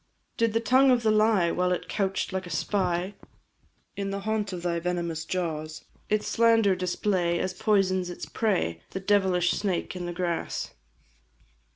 Did the tongue of the lie, while it couch'd like a spy In the haunt of thy venomous jaws, Its slander display, as poisons its prey The devilish snake in the grass?